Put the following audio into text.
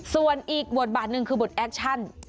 ส่วนอีกบทบาทหนึ่งคือบทแอคชั่น